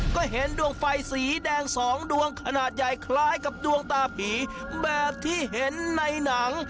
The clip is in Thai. ก็เห็นดวงไฟสีแดงสองดวงขนาดใหญ่คล้ายกับดวงตาผีแบบที่เห็นในหนัง